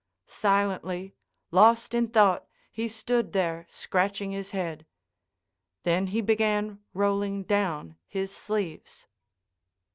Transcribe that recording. Silently, lost in thought, he stood there scratching his head. Then he began rolling down his sleeves.